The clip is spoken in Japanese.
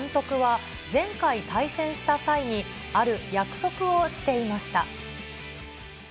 両チームの監督は、前回対戦した際に、ある約束をしていました。